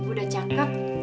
kau bisa rajin keluar